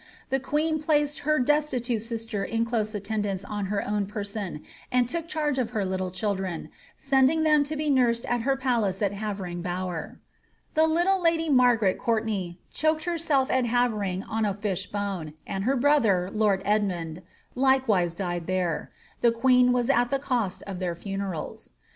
The queen placed her destitute sister in close attendance on her own penoOf and took charge of her little children, sending them to be nursed at her palace of Havering Bower. The little lady Maigaret Ck>urtenay choked herself at Havering with a fish bone, and her brother, lord Edmund^ likewise died there ; the queen was at the cost of their funerals.